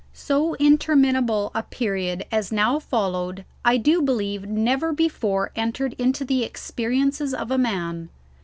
So interminable a period as now followed I do believe never before entered into the experiences of a man.